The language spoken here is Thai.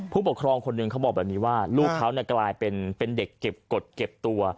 ผู้ปกครองคนหนึ่งเขาบอกแบบนี้ว่าลูกเขากลายเป็นเด็กเก็บกฎเก็บตัว